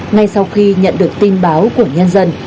ngay sau khi nhận được tin báo của nhân dân